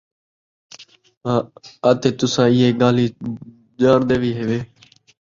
اَتے تساں ایہ ڳالھیں ڄاݨدے وی ہِیوے ۔